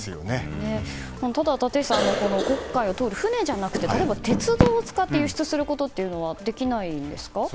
ただ立石さん黒海を通る船じゃなくて例えば鉄道を使って輸出することはできませんか。